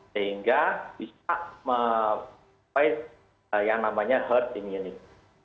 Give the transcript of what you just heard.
sehingga bisa mencapai yang namanya herd immunity